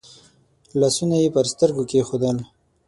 لاسونه يې پر سترګو کېښودل.